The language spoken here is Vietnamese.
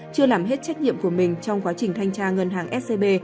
chưa làm hết trách nhiệm của mình trong quá trình thanh tra ngân hàng scb